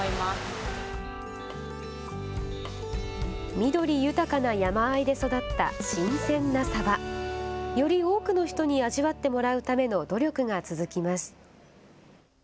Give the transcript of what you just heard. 緑豊かな山あいで育った新鮮なサバ、より多くの人に味わってもらうための努力が続きます。